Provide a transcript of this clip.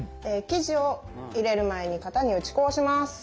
生地を入れる前に型に打ち粉をします。